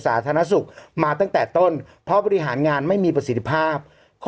สามารถหานาศูกย์มาตั้งแต่ต้นเพราะบริหารงานไม่มีประสิทธิภาพ